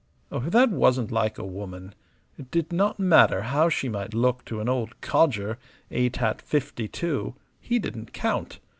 If that wasn't like a woman! It did not matter how she might look to an old codger, aetat. fifty two; he didn't count.